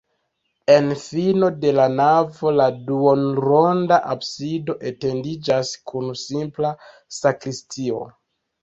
En fino de la navo la duonronda absido etendiĝas kun simpla sakristio.